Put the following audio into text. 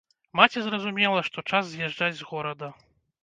Маці зразумела, што час з'язджаць з горада.